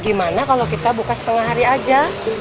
gimana kalau kita buka setengah hari aja